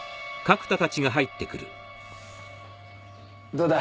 どうだ？